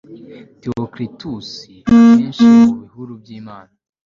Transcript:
theocritus akenshi mubihuru byimana